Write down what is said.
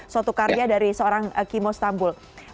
suatu karya dari seorang kimo istanbul